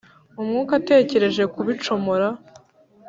umwuka atekereje kubicomora